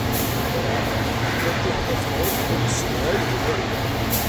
Nna Lǧuheṛ Tabetṛunt ur yessedhay igerdan.